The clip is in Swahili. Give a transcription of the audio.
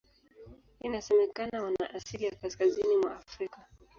Inasemekana wana asili ya Kaskazini mwa Afrika.